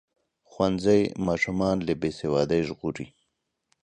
ښوونځی ماشومان له بې سوادۍ ژغوري.